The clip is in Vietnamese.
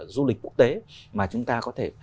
du lịch quốc tế mà chúng ta có thể